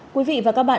chị vi hãy